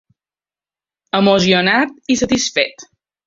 Emocionat i satisfet.